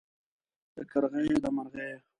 د کرغیو د مرغیو